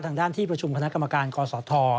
ทางด้านที่ประชุมคณะกรรมการกศธ